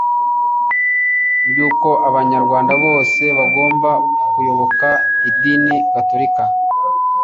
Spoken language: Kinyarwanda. ry'uko abanyarwanda bose bagomba kuyoboka idini gatolika